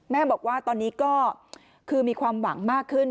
แม่บอกว่าตอนนี้ก็คือมีความหวังมากขึ้น